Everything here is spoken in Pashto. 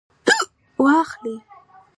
واخلئ